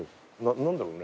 何だろうね？